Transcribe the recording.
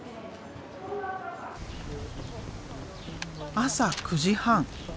朝９時半。